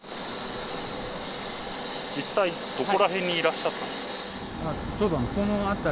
実際どこら辺にいらっしゃった？